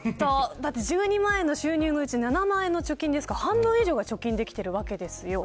１２万円の収入のうち７万円貯金ですから、半分以上貯金できているわけですよね。